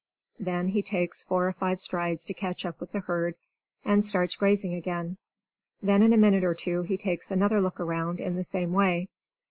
Then he takes four or five strides to catch up with the herd, and starts grazing again. Then in a minute or two he takes another look around in the same way.